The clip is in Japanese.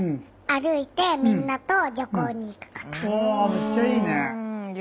めっちゃいいね！